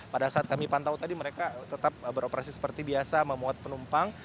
pada saat kami pantau tadi mereka tetap beroperasi seperti biasa memuat penumpang